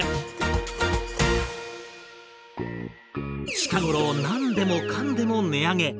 近頃何でもかんでも値上げ。